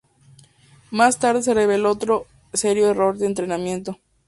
Más tarde se reveló otro serio error de entrenamiento.